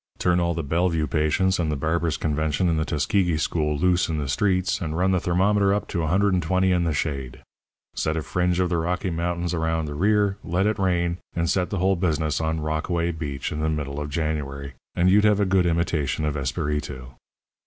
Turn all the Bellevue patients and the barbers' convention and the Tuskegee school loose in the streets, and run the thermometer up to 120 in the shade. Set a fringe of the Rocky Mountains around the rear, let it rain, and set the whole business on Rockaway Beach in the middle of January and you'd have a good imitation of Espiritu.